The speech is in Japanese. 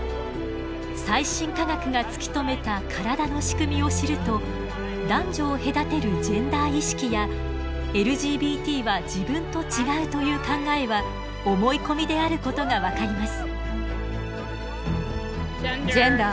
最新科学が突き止めた体の仕組みを知ると男女を隔てるジェンダー意識やＬＧＢＴは自分と違うという考えは思い込みであることが分かります。